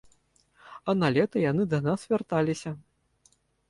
А на лета яны да нас вярталіся.